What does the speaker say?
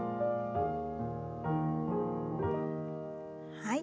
はい。